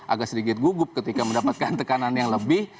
agak sedikit gugup ketika mendapatkan tekanan yang lebih